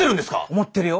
思ってるよ。